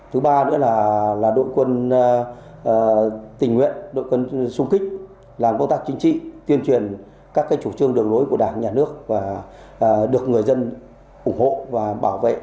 thứ ba nữa là đội quân tình nguyện đội quân xung kích làm công tác chính trị tuyên truyền các chủ trương đường lối của đảng nhà nước và được người dân ủng hộ và bảo vệ